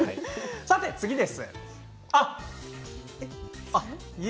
さて、次です。